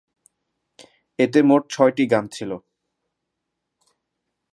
এতে মোট ছয়টি গান ছিল।